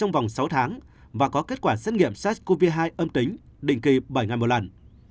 trong vòng sáu tháng và có kết quả xét nghiệm sars cov hai âm tính định kỳ bảy năm một lần